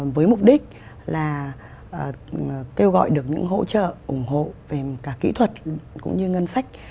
với mục đích là kêu gọi được những hỗ trợ ủng hộ về cả kỹ thuật cũng như ngân sách